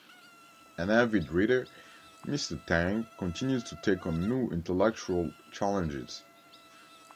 An avid reader, Mr. Tang continues to take on new intellectual challenges.